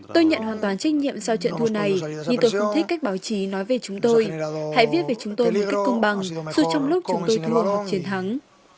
tôi nhận hoàn toàn trách nhiệm sau trận thua này nhưng tôi không thích cách báo chí nói về chúng tôi hãy viết về chúng tôi một cách công bằng dù trong lúc chúng tôi thua chiến thắng